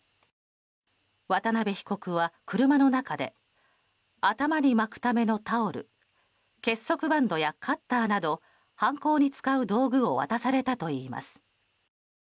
渡邉被告は車の中で頭に巻くためのタオル結束バンドやカッターなど犯行に使う道具を渡されたといいます。